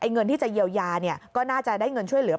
เงินที่จะเยียวยาก็น่าจะได้เงินช่วยเหลือ